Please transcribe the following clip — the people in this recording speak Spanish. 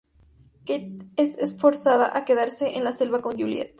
Kate es forzada a quedarse en la selva con Juliet.